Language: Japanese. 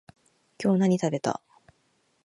今日何食べた？